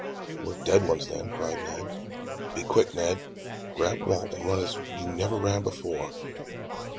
"We're dead ones, then!" cried Ned. "Be quick, Ned! Grab Walt and run as you never ran before!